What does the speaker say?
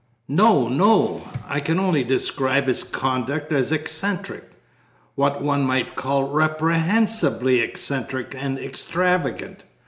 "No, no! I can only describe his conduct as eccentric what one might call reprehensibly eccentric and extravagant.